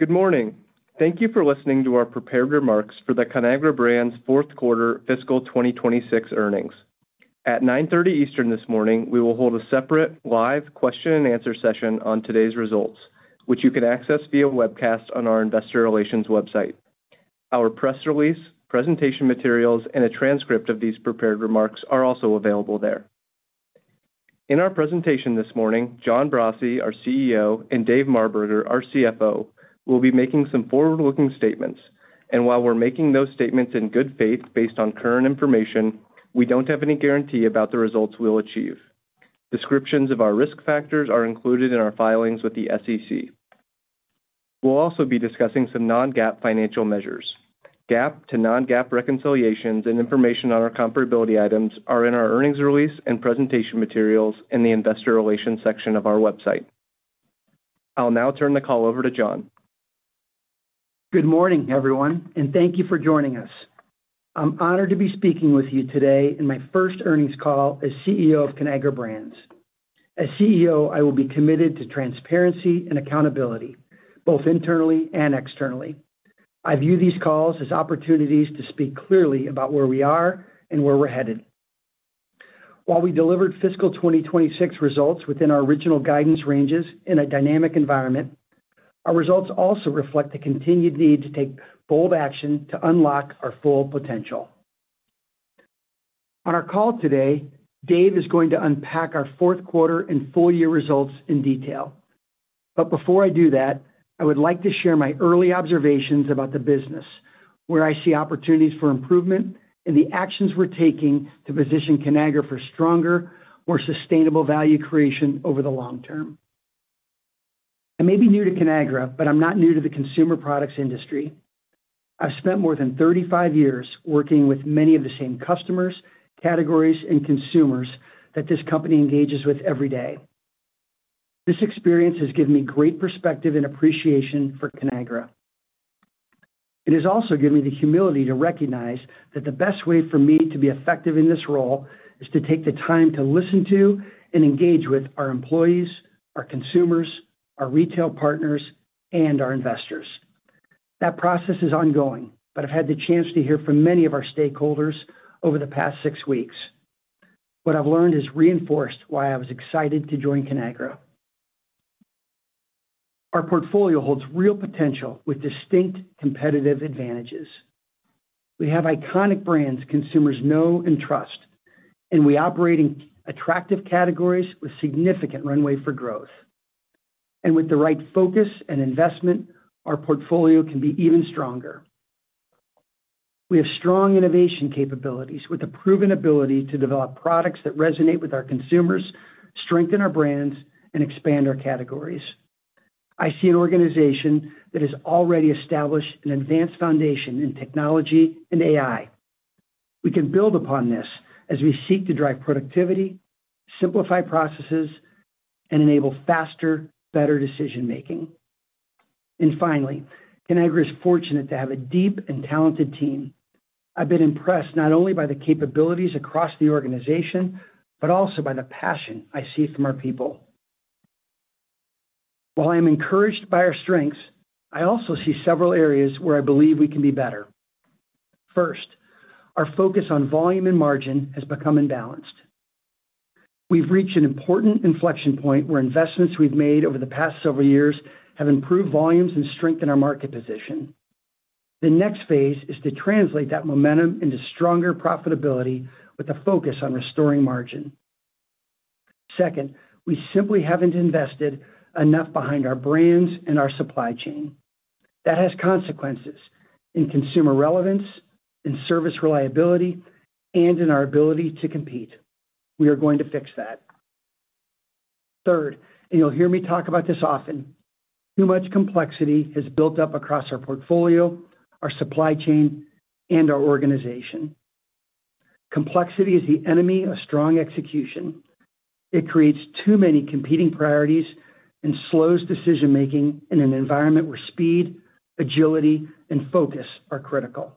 Good morning. Thank you for listening to our prepared remarks for the Conagra Brands fourth quarter fiscal 2026 earnings. At 9:30 A.M. Eastern this morning, we will hold a separate live question-and-answer session on today's results, which you can access via webcast on our Investor Relations website. Our press release, presentation materials, and a transcript of these prepared remarks are also available there. In our presentation this morning, John Brase, our CEO, and Dave Marberger, our CFO, will be making some forward-looking statements. While we're making those statements in good faith based on current information, we don't have any guarantee about the results we'll achieve. Descriptions of our risk factors are included in our filings with the SEC. We'll also be discussing some non-GAAP financial measures. GAAP to non-GAAP reconciliations and information on our comparability items are in our earnings release and presentation materials in the Investor Relations section of our website. I'll now turn the call over to John. Good morning, everyone, and thank you for joining us. I'm honored to be speaking with you today in my first earnings call as CEO of Conagra Brands. As CEO, I will be committed to transparency and accountability, both internally and externally. I view these calls as opportunities to speak clearly about where we are and where we're headed. While we delivered fiscal 2026 results within our original guidance ranges in a dynamic environment, our results also reflect the continued need to take bold action to unlock our full potential. On our call today, Dave is going to unpack our fourth quarter and full-year results in detail. Before I do that, I would like to share my early observations about the business, where I see opportunities for improvement, and the actions we're taking to position Conagra for stronger, more sustainable value creation over the long term. I may be new to Conagra, but I'm not new to the consumer products industry. I've spent more than 35 years working with many of the same customers, categories, and consumers that this company engages with every day. This experience has given me great perspective and appreciation for Conagra. It has also given me the humility to recognize that the best way for me to be effective in this role is to take the time to listen to and engage with our employees, our consumers, our retail partners, and our investors. That process is ongoing, but I've had the chance to hear from many of our stakeholders over the past six weeks. What I've learned has reinforced why I was excited to join Conagra. Our portfolio holds real potential with distinct competitive advantages. We have iconic brands consumers know and trust, and we operate in attractive categories with significant runway for growth. With the right focus and investment, our portfolio can be even stronger. We have strong innovation capabilities with a proven ability to develop products that resonate with our consumers, strengthen our brands, and expand our categories. I see an organization that has already established an advanced foundation in technology and AI. We can build upon this as we seek to drive productivity, simplify processes, and enable faster, better decision-making. Finally, Conagra is fortunate to have a deep and talented team. I've been impressed not only by the capabilities across the organization, but also by the passion I see from our people. While I am encouraged by our strengths, I also see several areas where I believe we can be better. First, our focus on volume and margin has become imbalanced. We've reached an important inflection point where investments we've made over the past several years have improved volumes and strengthened our market position. The next phase is to translate that momentum into stronger profitability with a focus on restoring margin. Second, we simply haven't invested enough behind our brands and our supply chain. That has consequences in consumer relevance, in service reliability, and in our ability to compete. We are going to fix that. Third, and you'll hear me talk about this often, too much complexity has built up across our portfolio, our supply chain, and our organization. Complexity is the enemy of strong execution. It creates too many competing priorities and slows decision-making in an environment where speed, agility, and focus are critical.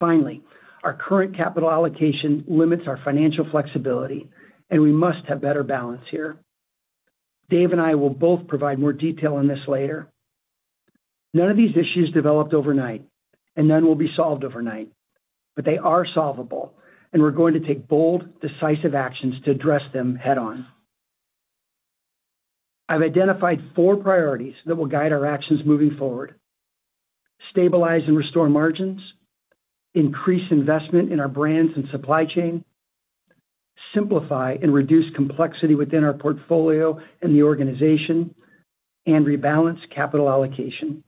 Finally, our current capital allocation limits our financial flexibility, and we must have better balance here. Dave and I will both provide more detail on this later. None of these issues developed overnight, and none will be solved overnight, but they are solvable, and we're going to take bold, decisive actions to address them head-on. I've identified four priorities that will guide our actions moving forward. Stabilize and restore margins, increase investment in our brands and supply chain, simplify and reduce complexity within our portfolio and the organization, and rebalance capital allocation.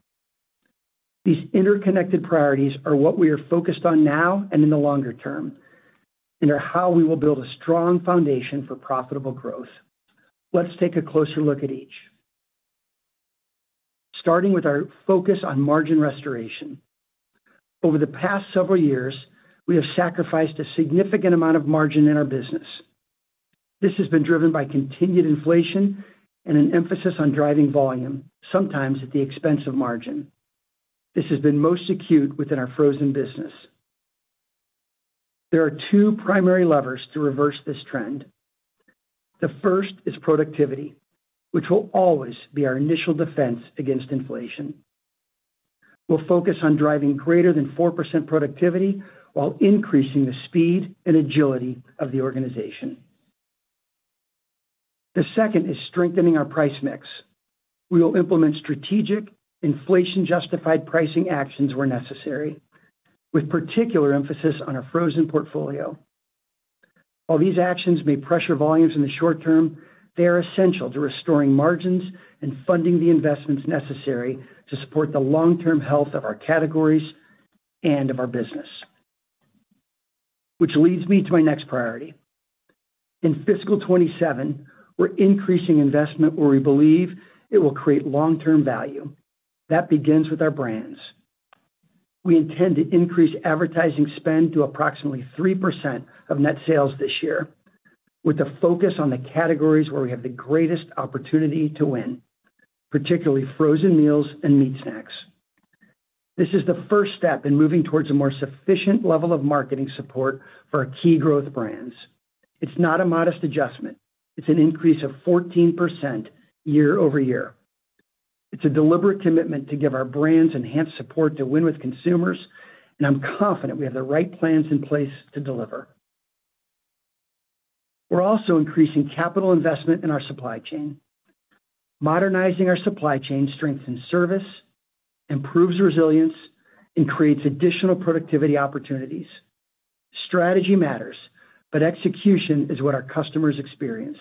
These interconnected priorities are what we are focused on now and in the longer term, and are how we will build a strong foundation for profitable growth. Let's take a closer look at each. Starting with our focus on margin restoration. Over the past several years, we have sacrificed a significant amount of margin in our business. This has been driven by continued inflation and an emphasis on driving volume, sometimes at the expense of margin. This has been most acute within our frozen business. There are two primary levers to reverse this trend. The first is productivity, which will always be our initial defense against inflation. We'll focus on driving greater than 4% productivity while increasing the speed and agility of the organization. The second is strengthening our price mix. We will implement strategic, inflation-justified pricing actions where necessary, with particular emphasis on our frozen portfolio. While these actions may pressure volumes in the short-term, they are essential to restoring margins and funding the investments necessary to support the long-term health of our categories and of our business. Which leads me to my next priority. In fiscal 2027, we're increasing investment where we believe it will create long-term value. That begins with our brands. We intend to increase advertising spend to approximately 3% of net sales this year, with a focus on the categories where we have the greatest opportunity to win, particularly frozen meals and meat snacks. This is the first step in moving towards a more sufficient level of marketing support for our key growth brands. It's not a modest adjustment. It's an increase of 14% year-over-year. It's a deliberate commitment to give our brands enhanced support to win with consumers, and I'm confident we have the right plans in place to deliver. We're also increasing capital investment in our supply chain. Modernizing our supply chain strengthens service, improves resilience, and creates additional productivity opportunities. Strategy matters, but execution is what our customers experience.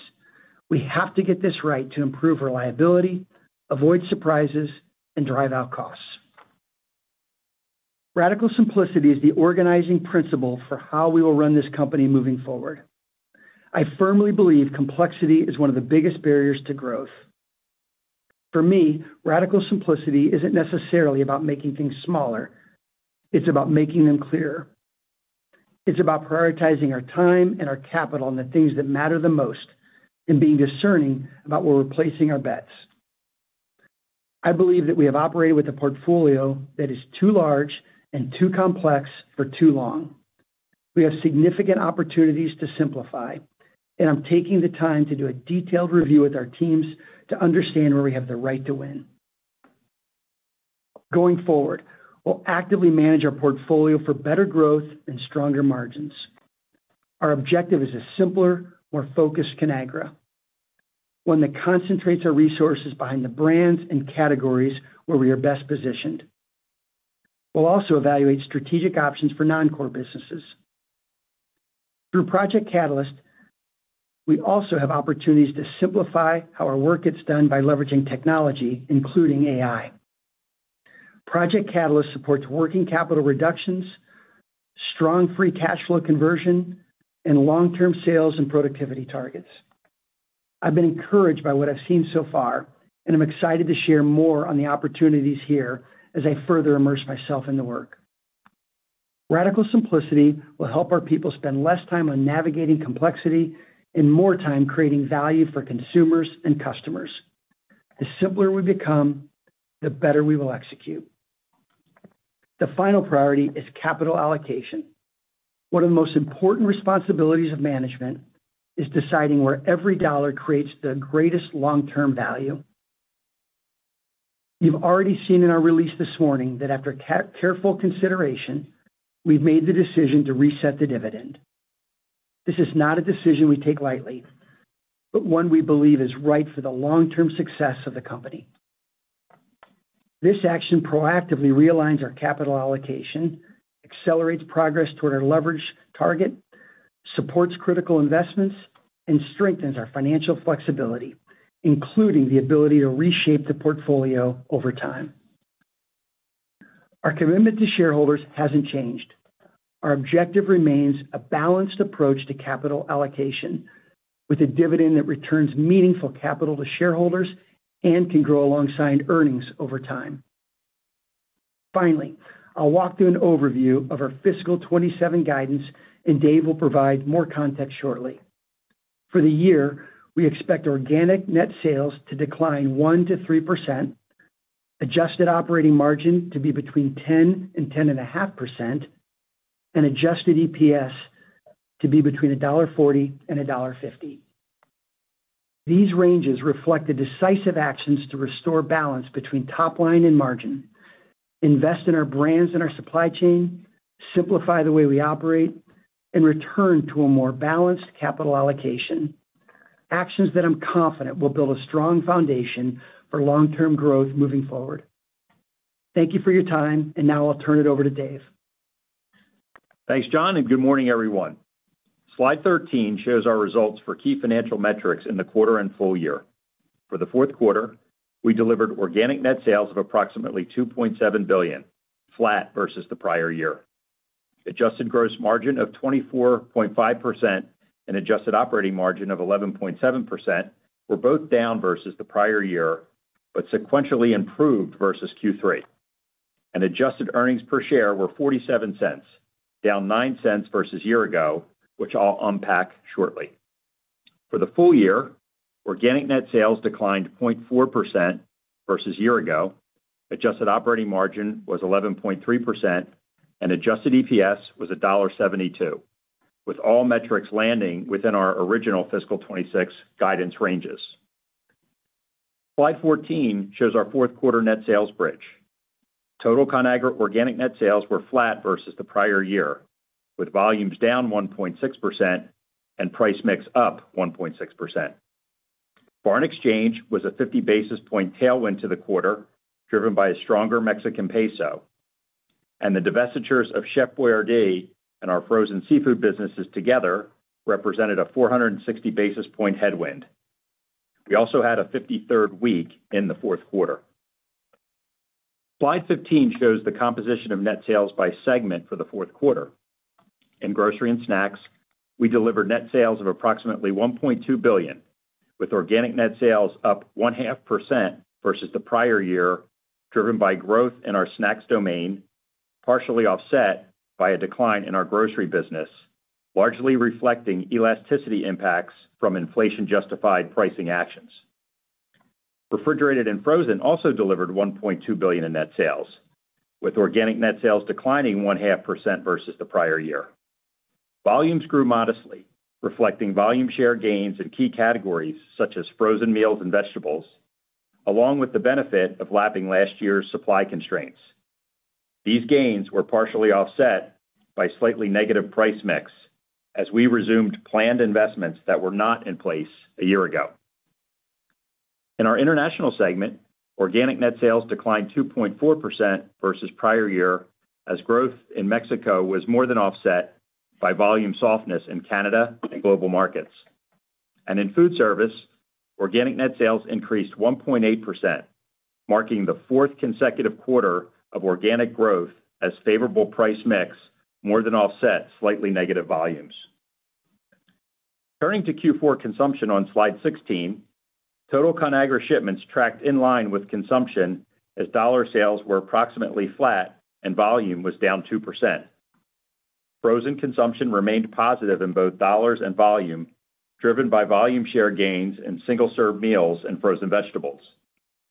We have to get this right to improve reliability, avoid surprises, and drive out costs. Radical simplicity is the organizing principle for how we will run this company moving forward. I firmly believe complexity is one of the biggest barriers to growth. For me, radical simplicity isn't necessarily about making things smaller. It's about making them clearer. It's about prioritizing our time and our capital and the things that matter the most and being discerning about where we're placing our bets. I believe that we have operated with a portfolio that is too large and too complex for too long. We have significant opportunities to simplify, and I'm taking the time to do a detailed review with our teams to understand where we have the right to win. Going forward, we'll actively manage our portfolio for better growth and stronger margins. Our objective is a simpler, more focused Conagra, one that concentrates our resources behind the brands and categories where we are best positioned. We'll also evaluate strategic options for non-core businesses. Through Project Catalyst, we also have opportunities to simplify how our work gets done by leveraging technology, including AI. Project Catalyst supports working capital reductions, strong free cash flow conversion, and long-term sales and productivity targets. I've been encouraged by what I've seen so far, and I'm excited to share more on the opportunities here as I further immerse myself in the work. Radical simplicity will help our people spend less time on navigating complexity and more time creating value for consumers and customers. The simpler we become, the better we will execute. The final priority is capital allocation. One of the most important responsibilities of management is deciding where every dollar creates the greatest long-term value. You've already seen in our release this morning that after careful consideration, we've made the decision to reset the dividend. This is not a decision we take lightly, but one we believe is right for the long-term success of the company. This action proactively realigns our capital allocation, accelerates progress toward our leverage target, supports critical investments, and strengthens our financial flexibility, including the ability to reshape the portfolio over time. Our commitment to shareholders hasn't changed. Our objective remains a balanced approach to capital allocation with a dividend that returns meaningful capital to shareholders and can grow alongside earnings over time. I'll walk through an overview of our fiscal 2027 guidance, and Dave will provide more context shortly. For the year, we expect organic net sales to decline 1%-3%, adjusted operating margin to be between 10% and 10.5%, and adjusted EPS to be between $1.40 and $1.50. These ranges reflect the decisive actions to restore balance between top-line and margin, invest in our brands and our supply chain, simplify the way we operate, and return to a more balanced capital allocation, actions that I'm confident will build a strong foundation for long-term growth moving forward. Thank you for your time, now I'll turn it over to Dave. Thanks, John, good morning, everyone. Slide 13 shows our results for key financial metrics in the quarter and full-year. For the fourth quarter, we delivered organic net sales of approximately $2.7 billion, flat versus the prior year. Adjusted gross margin of 24.5% and adjusted operating margin of 11.7% were both down versus the prior year, but sequentially improved versus Q3. Adjusted earnings per share were $0.47, down $0.09 versus year-ago, which I'll unpack shortly. For the full-year, organic net sales declined 0.4% versus year-ago, adjusted operating margin was 11.3%, and adjusted EPS was $1.72, with all metrics landing within our original fiscal 2026 guidance ranges. Slide 14 shows our fourth quarter net sales bridge. Total Conagra organic net sales were flat versus the prior year, with volumes down 1.6% and price mix up 1.6%. Foreign exchange was a 50 basis point tailwind to the quarter, driven by a stronger Mexican peso. The divestitures of Chef Boyardee and our frozen seafood businesses together represented a 460 basis point headwind. We also had a 53rd week in the fourth quarter. Slide 15 shows the composition of net sales by segment for the fourth quarter. In Grocery & Snacks, we delivered net sales of approximately $1.2 billion, with organic net sales up one-half% versus the prior year, driven by growth in our snacks domain, partially offset by a decline in our grocery business, largely reflecting elasticity impacts from inflation-justified pricing actions. Refrigerated & Frozen also delivered $1.2 billion in net sales, with organic net sales declining 1.5% versus the prior year. Volumes grew modestly, reflecting volume share gains in key categories such as frozen meals and vegetables, along with the benefit of lapping last year's supply constraints. These gains were partially offset by slightly negative price mix as we resumed planned investments that were not in place a year-ago. In our International segment, organic net sales declined 2.4% versus prior year, as growth in Mexico was more than offset by volume softness in Canada and global markets. In Foodservice, organic net sales increased 1.8%, marking the fourth consecutive quarter of organic growth as favorable price mix more than offset slightly negative volumes. Turning to Q4 consumption on slide 16, total Conagra shipments tracked in line with consumption as dollar sales were approximately flat and volume was down 2%. Frozen consumption remained positive in both dollars and volume, driven by volume share gains in single-serve meals and frozen vegetables,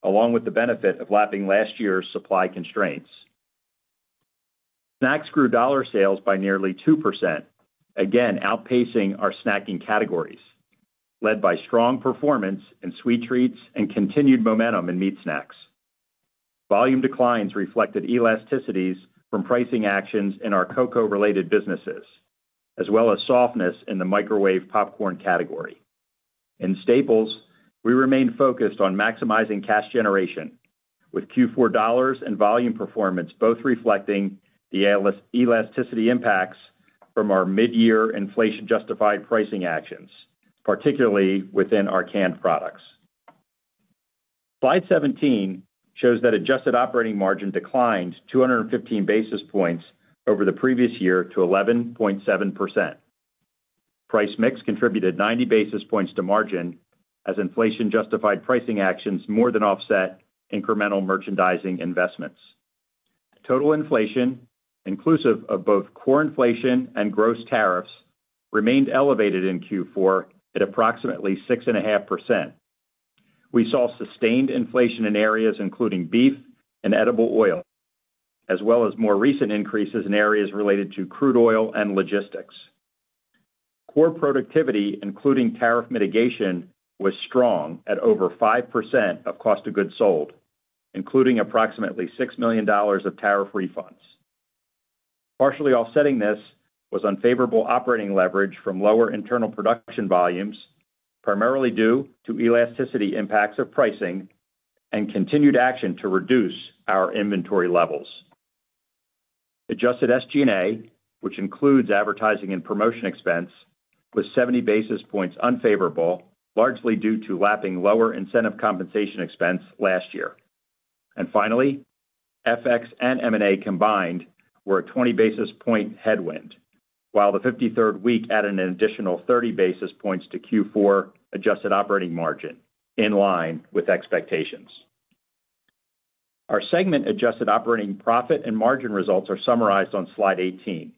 along with the benefit of lapping last year's supply constraints. Snacks grew dollar sales by nearly 2%, again outpacing our snacking categories, led by strong performance in sweet treats and continued momentum in meat snacks. Volume declines reflected elasticities from pricing actions in our cocoa-related businesses, as well as softness in the microwave popcorn category. In Staples, we remained focused on maximizing cash generation, with Q4 dollars and volume performance both reflecting the elasticity impacts from our mid-year inflation justified pricing actions, particularly within our canned products. Slide 17 shows that adjusted operating margin declined 215 basis points over the previous year to 11.7%. Price mix contributed 90 basis points to margin as inflation justified pricing actions more than offset incremental merchandising investments. Total inflation, inclusive of both core inflation and gross tariffs, remained elevated in Q4 at approximately 6.5%. We saw sustained inflation in areas including beef and edible oil, as well as more recent increases in areas related to crude oil and logistics. Core productivity, including tariff mitigation, was strong at over 5% of cost of goods sold, including approximately $6 million of tariff refunds. Partially offsetting this was unfavorable operating leverage from lower internal production volumes, primarily due to elasticity impacts of pricing and continued action to reduce our inventory levels. Adjusted SG&A, which includes advertising and promotion expense, was 70 basis points unfavorable, largely due to lapping lower incentive compensation expense last year. Finally, FX and M&A combined were a 20 basis point headwind, while the 53rd week added an additional 30 basis points to Q4 adjusted operating margin in line with expectations. Our segment adjusted operating profit and margin results are summarized on slide 18.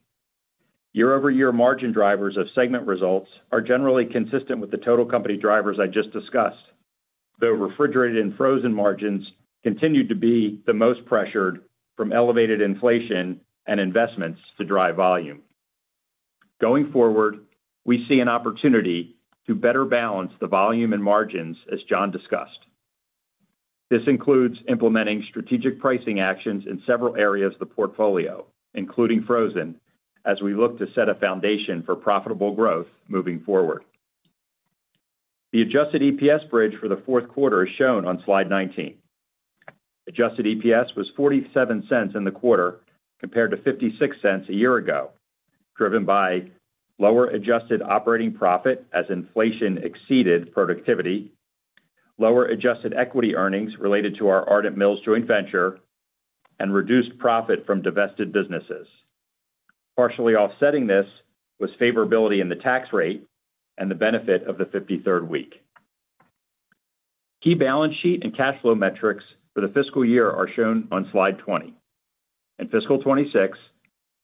Year-over-year margin drivers of segment results are generally consistent with the total company drivers I just discussed, though Refrigerated & Frozen margins continued to be the most pressured from elevated inflation and investments to drive volume. Going forward, we see an opportunity to better balance the volume and margins as John discussed. This includes implementing strategic pricing actions in several areas of the portfolio, including Frozen, as we look to set a foundation for profitable growth moving forward. The adjusted EPS bridge for the fourth quarter is shown on slide 19. Adjusted EPS was $0.47 in the quarter compared to $0.56 a year ago, driven by lower adjusted operating profit as inflation exceeded productivity, lower adjusted equity earnings related to our Ardent Mills joint venture, and reduced profit from divested businesses. Partially offsetting this was favorability in the tax rate and the benefit of the 53rd week. Key balance sheet and cash flow metrics for the fiscal year are shown on slide 20. In fiscal 2026,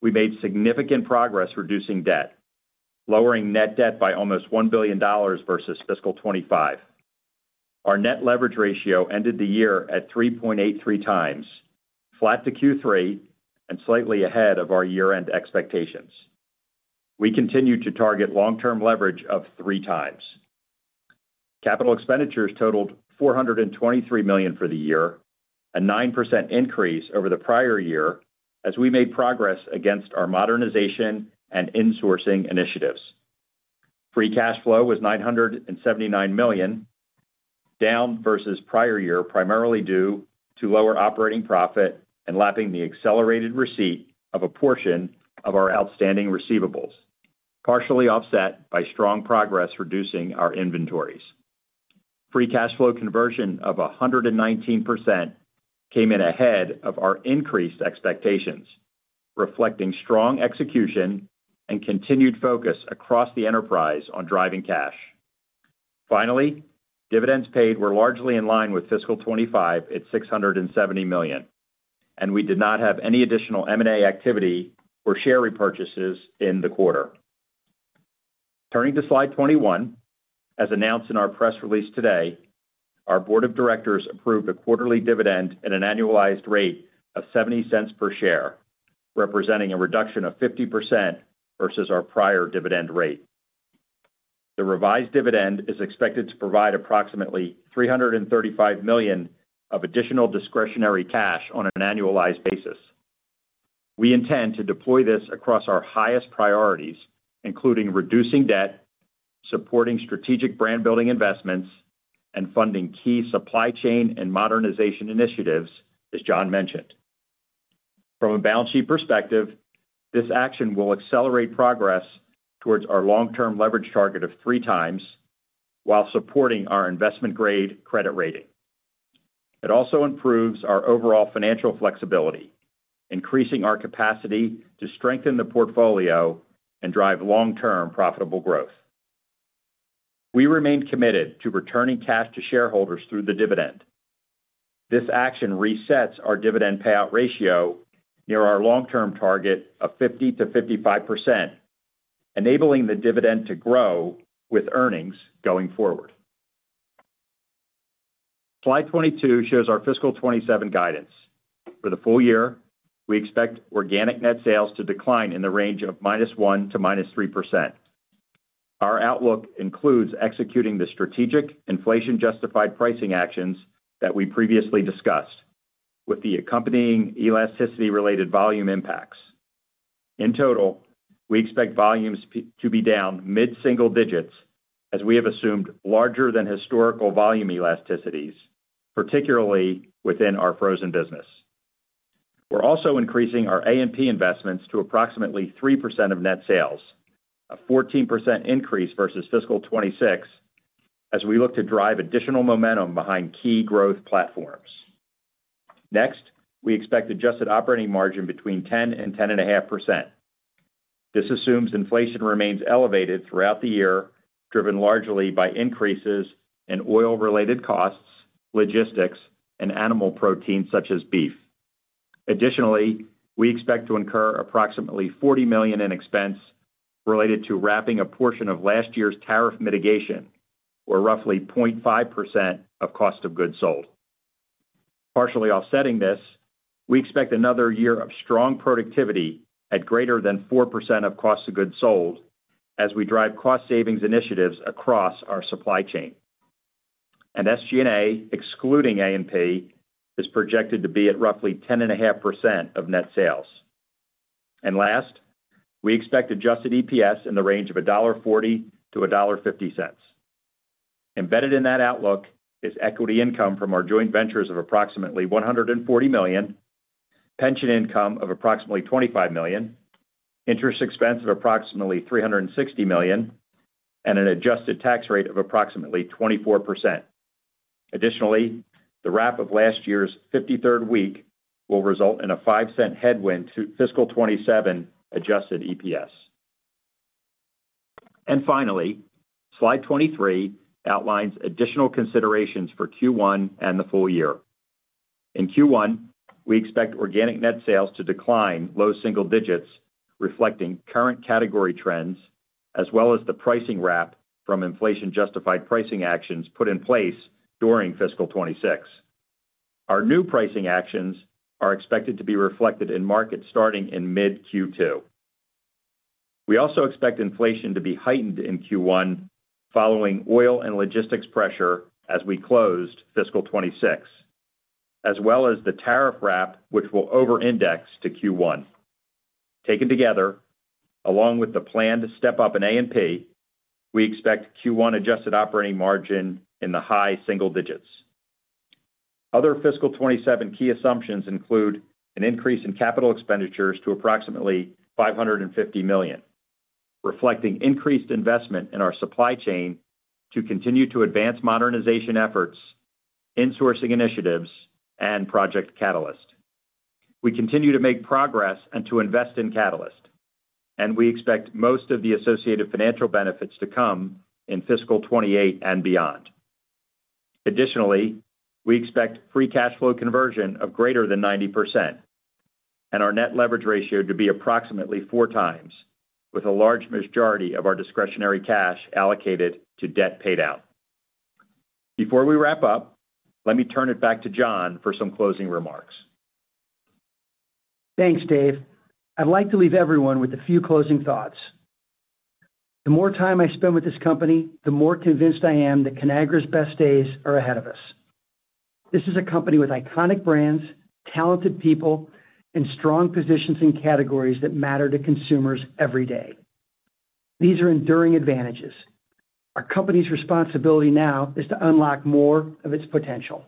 we made significant progress reducing debt, lowering net debt by almost $1 billion versus fiscal 2025. Our net leverage ratio ended the year at 3.83x, flat to Q3 and slightly ahead of our year-end expectations. We continue to target long-term leverage of 3x. Capital expenditures totaled $423 million for the year, a 9% increase over the prior year, as we made progress against our modernization and insourcing initiatives. Free cash flow was $979 million, down versus prior year, primarily due to lower operating profit and lapping the accelerated receipt of a portion of our outstanding receivables, partially offset by strong progress reducing our inventories. Free cash flow conversion of 119% came in ahead of our increased expectations, reflecting strong execution and continued focus across the enterprise on driving cash. Finally, dividends paid were largely in line with fiscal 2025 at $670 million, and we did not have any additional M&A activity or share repurchases in the quarter. Turning to slide 21, as announced in our press release today, our Board of Directors approved a quarterly dividend at an annualized rate of $0.70 per share, representing a reduction of 50% versus our prior dividend rate. The revised dividend is expected to provide approximately $335 million of additional discretionary cash on an annualized basis. We intend to deploy this across our highest priorities, including reducing debt, supporting strategic brand-building investments, and funding key supply chain and modernization initiatives, as John mentioned. From a balance sheet perspective, this action will accelerate progress towards our long-term leverage target of 3x while supporting our investment-grade credit rating. It also improves our overall financial flexibility, increasing our capacity to strengthen the portfolio and drive long-term profitable growth. We remain committed to returning cash to shareholders through the dividend. This action resets our dividend payout ratio near our long-term target of 50%-55%, enabling the dividend to grow with earnings going forward. Slide 22 shows our fiscal 2027 guidance. For the full-year, we expect organic net sales to decline in the range of -1% to -3%. Our outlook includes executing the strategic inflation-justified pricing actions that we previously discussed with the accompanying elasticity-related volume impacts. In total, we expect volumes to be down mid-single digits as we have assumed larger than historical volume elasticities, particularly within our frozen business. We're also increasing our A&P investments to approximately 3% of net sales, a 14% increase versus fiscal 2026, as we look to drive additional momentum behind key growth platforms. Next, we expect adjusted operating margin between 10%-10.5%. This assumes inflation remains elevated throughout the year, driven largely by increases in oil-related costs, logistics, and animal protein such as beef. Additionally, we expect to incur approximately $40 million in expense related to wrapping a portion of last year's tariff mitigation, or roughly 0.5% of cost of goods sold. Partially offsetting this, we expect another year of strong productivity at greater than 4% of cost of goods sold as we drive cost savings initiatives across our supply chain. SG&A, excluding A&P, is projected to be at roughly 10.5% of net sales. Last, we expect adjusted EPS in the range of $1.40-$1.50. Embedded in that outlook is equity income from our joint ventures of approximately $140 million, pension income of approximately $25 million, interest expense of approximately $360 million, and an adjusted tax rate of approximately 24%. Additionally, the wrap of last year's 53rd week will result in a $0.05 headwind to fiscal 2027 adjusted EPS. Finally, slide 23 outlines additional considerations for Q1 and the full-year. In Q1, we expect organic net sales to decline low-single digits, reflecting current category trends, as well as the pricing wrap from inflation-justified pricing actions put in place during fiscal 2026. Our new pricing actions are expected to be reflected in market starting in mid-Q2. We also expect inflation to be heightened in Q1 following oil and logistics pressure as we closed fiscal 2026, as well as the tariff wrap, which will over-index to Q1. Taken together, along with the plan to step up in A&P, we expect Q1 adjusted operating margin in the high-single digits. Other fiscal 2027 key assumptions include an increase in capital expenditures to approximately $550 million, reflecting increased investment in our supply chain to continue to advance modernization efforts, insourcing initiatives, and Project Catalyst. We continue to make progress and to invest in Catalyst, and we expect most of the associated financial benefits to come in fiscal 2028 and beyond. Additionally, we expect free cash flow conversion of greater than 90%, and our net leverage ratio to be approximately 4x, with a large majority of our discretionary cash allocated to debt paid out. Before we wrap up, let me turn it back to John for some closing remarks. Thanks, Dave. I'd like to leave everyone with a few closing thoughts. The more time I spend with this company, the more convinced I am that Conagra's best days are ahead of us. This is a company with iconic brands, talented people, and strong positions in categories that matter to consumers every day. These are enduring advantages. Our company's responsibility now is to unlock more of its potential.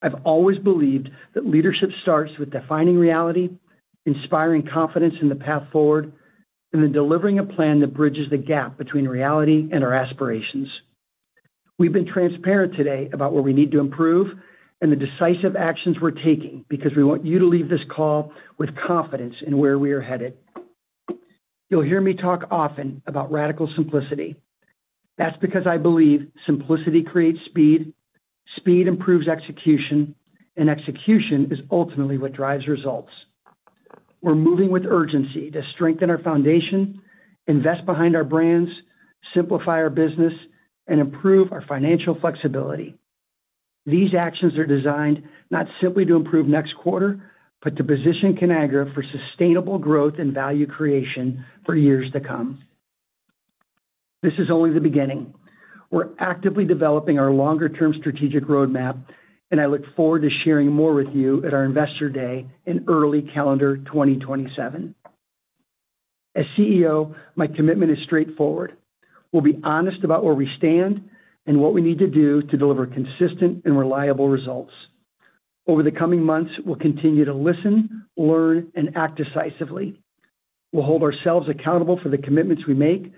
I've always believed that leadership starts with defining reality, inspiring confidence in the path forward, and then delivering a plan that bridges the gap between reality and our aspirations. We've been transparent today about what we need to improve and the decisive actions we're taking because we want you to leave this call with confidence in where we are headed. You'll hear me talk often about radical simplicity. That's because I believe simplicity creates speed, speed improves execution, and execution is ultimately what drives results. We're moving with urgency to strengthen our foundation, invest behind our brands, simplify our business, and improve our financial flexibility. These actions are designed not simply to improve next quarter, but to position Conagra for sustainable growth and value creation for years to come. This is only the beginning. We're actively developing our longer-term strategic roadmap, and I look forward to sharing more with you at our Investor Day in early calendar 2027. As CEO, my commitment is straightforward. We'll be honest about where we stand and what we need to do to deliver consistent and reliable results. Over the coming months, we'll continue to listen, learn, and act decisively. We'll hold ourselves accountable for the commitments we make,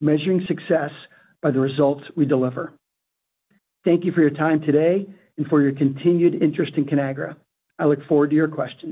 measuring success by the results we deliver. Thank you for your time today and for your continued interest in Conagra. I look forward to your questions